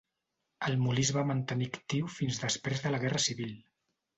El molí es va mantenir actiu fins després de la guerra civil.